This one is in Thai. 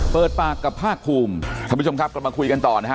เปิดปากกับภาคภูมิท่านผู้ชมครับกลับมาคุยกันต่อนะฮะ